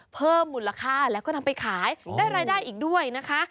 เพิ่มมูลค่าแล้วก็นำไปขายได้รายได้อีกด้วยนะคะ